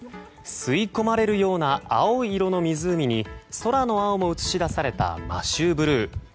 吸い込まれるような青い色の湖に空の青も映し出された摩周ブルー。